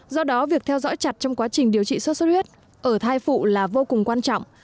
do đó việc theo dõi chặt trong quá trình điều trị sốt xuất huyết ở thai phụ là vô cùng quan trọng